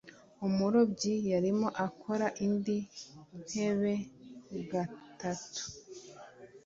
umurobyi yarimo akora indi ntebegatatu